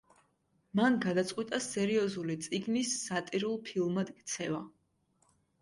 მან გადაწყვიტა სერიოზულ წიგნის სატირულ ფილმად ქცევა.